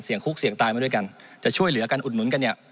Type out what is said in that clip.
คุกเสี่ยงตายมาด้วยกันจะช่วยเหลือกันอุดหนุนกันเนี่ย